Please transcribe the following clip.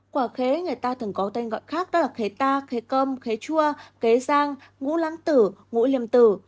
quả khế người ta thường có tên gọi khác đó là khế ta khế cơm khế chua khế giang ngũ lắng tử ngũ liềm tử